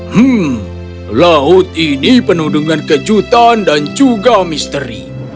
hmm laut ini penuh dengan kejutan dan juga misteri